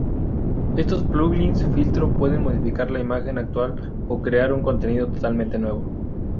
Estos plugins filtro pueden modificar la imagen actual o crear un contenido totalmente nuevo.